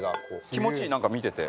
気持ちいいなんか見てて。